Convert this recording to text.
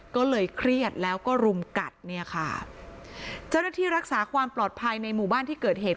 ก็เลยเครียดแล้วก็รุมกัดเนี่ยค่ะเจ้าหน้าที่รักษาความปลอดภัยในหมู่บ้านที่เกิดเหตุ